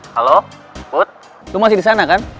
halo put lo masih disana kan